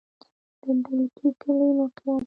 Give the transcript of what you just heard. د دلکي کلی موقعیت